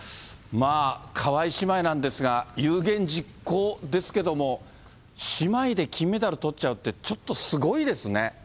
まあ、川井姉妹なんですが、有言実行ですけども、姉妹で金メダルとっちゃうって、ちょっとすごいですね。